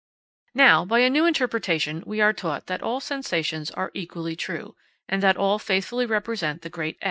Now, by a new interpretation; we are taught that all sensations are equally true, and that all faithfully represent the great _X.